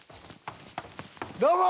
どうも。